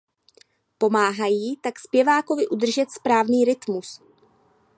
Pomáhají tak zpěvákovi udržet správný rytmus..